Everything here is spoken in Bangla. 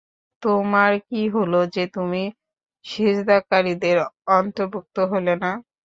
তোমার কি হলো যে, তুমি সিজদাকারীদের অন্তর্ভুক্ত হলে না।